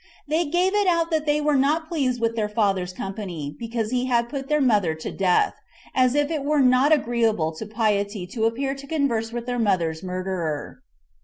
They gave it out that they were not pleased with their father's company, because he had put their mother to death, as if it were not agreeable to piety to appear to converse with their mother's murderer.